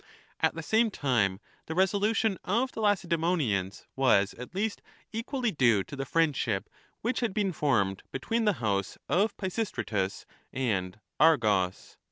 At the same time the resolution of the Lacedae monians was at least equally due to the friendship which had been formed between the house of Pisistratus and Argos.